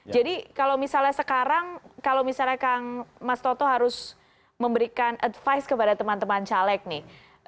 jadi kalau misalnya sekarang kalau misalnya kang mas toto harus memberikan advice kepada teman teman caleg nih